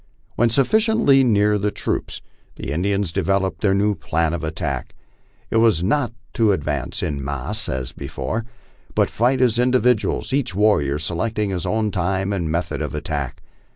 When sufficiently near to the troops the In dians developed their new plan of attack. It was not to advance en masse, as before, but fight as individuals, each warrior selecting his own time and method of attack.